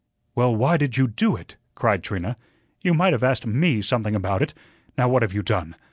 "Well, why did you DO it?" cried Trina. "You might have asked ME something about it. Now, what have you done?